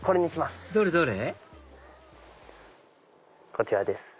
こちらです。